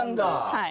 はい。